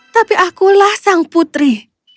tapi akulah sang putri